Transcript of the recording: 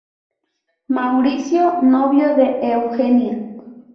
Mauricio: Novio de Eugenia.